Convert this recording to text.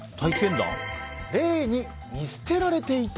霊に見捨てられていた？